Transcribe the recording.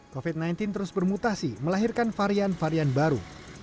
covid sembilan belas terus bermutasi melahirkan varian varian baru